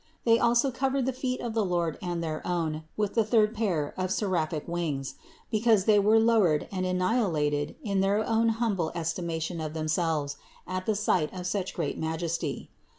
They also covered the feet of the Lord and their own with the third pair of seraphic wings, because they were lowered and annihilated in their own humble estimation of them selves at the sight of such great Majesty.